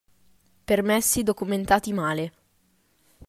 Permessi documentati male.